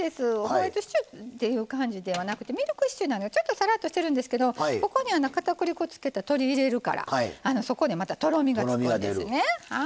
ホワイトシチューっていう感じではなくてミルクシチューなんでちょっとさらっとしてるんですけどここにかたくり粉つけた鶏入れるからそこでまたとろみがつくんですね。